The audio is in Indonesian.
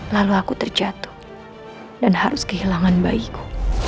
lalu aku terjatuh dan harus kehilangan bayiku